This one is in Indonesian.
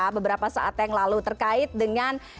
beberapa saat yang lalu terkait dengan